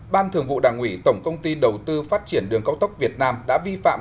ban thường vụ đảng ủy tổng công ty đầu tư phát triển đường cao tốc việt nam đã vi phạm